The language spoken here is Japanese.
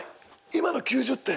今の９０点！